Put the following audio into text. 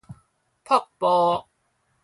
瀑布